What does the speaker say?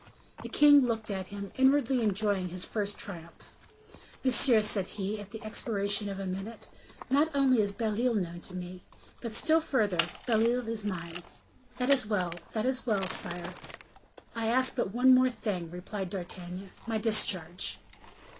The king looked at him, inwardly enjoying his first triumph. "Monsieur," said he, at the expiration of a minute, "not only is Belle Isle known to me, but, still further, Belle Isle is mine." "That is well! that is well, sire, I ask but one thing more," replied D'Artagnan. "My discharge."